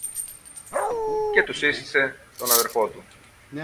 και του σύστησε τον αδελφό του.